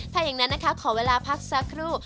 ถ้าอย่างนั้นนะคะขอเวลาพักสักครู่